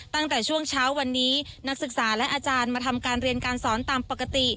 ตั้งแต่ช่วงเช้าวันนี้นักศึกษาและอาจารย์มาทำการเรียนการสอนตามปกติ